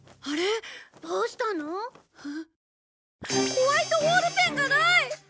ホワイトボールペンがない！